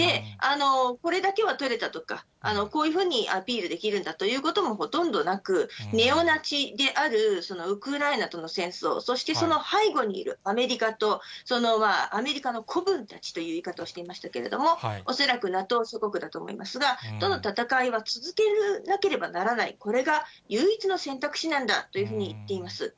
これだけは取れたとか、こういうふうにアピールできるんだということもほとんどなく、ネオナチであるウクライナとの戦争、そして、その背後にいるアメリカとアメリカの子分たちという言い方をしていましたけれども、恐らくＮＡＴＯ諸国だと思いますが、との戦いは続けなければならないと、これが唯一の選択肢なんだというふうに言っています。